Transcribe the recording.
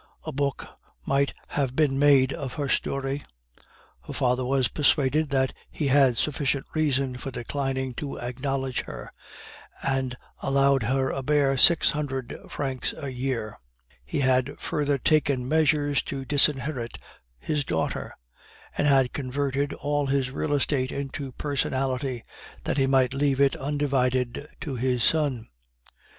A book might have been made of her story. Her father was persuaded that he had sufficient reason for declining to acknowledge her, and allowed her a bare six hundred francs a year; he had further taken measures to disinherit his daughter, and had converted all his real estate into personalty, that he might leave it undivided to his son.